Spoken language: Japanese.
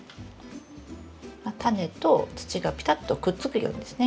タネと土がピタッとくっつくようにですね。